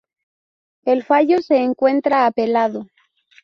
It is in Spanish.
El fallo se encuentra apelado.